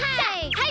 はい。